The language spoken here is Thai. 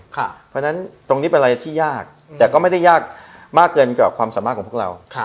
เพราะฉะนั้นตรงนี้เป็นอะไรที่ยากแต่ก็ไม่ได้ยากมากเกินกว่าความสามารถของพวกเรา